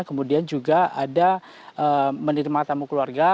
kemudian juga ada menerima tamu keluarga